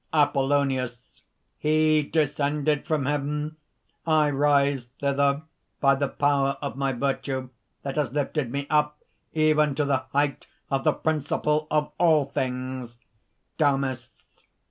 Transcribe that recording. APOLLONIUS. "He descended from heaven. I rise thither, by the power of my virtue that has lifted me up even to the height of the Principle of all things!" DAMIS.